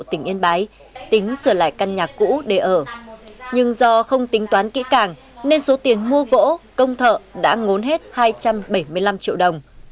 tỉnh yên bái tính sửa lại căn nhà cũ để ở nhưng do không tính toán kỹ càng nên số tiền mua gỗ công thợ đã ngốn hết hai trăm bảy mươi năm triệu đồng